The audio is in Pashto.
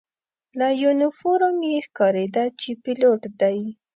له یونیفورم یې ښکارېده چې پیلوټ دی.